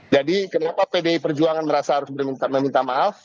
jadi kenapa pdi perjuangan merasa harus meminta maaf